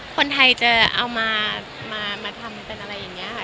คนไทยจะเอามาทำเป็นอะไรอย่างนี้ค่ะ